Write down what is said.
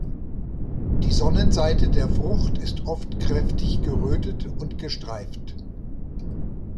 Die Sonnenseite der Frucht ist oft kräftig gerötet und gestreift.